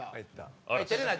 照れない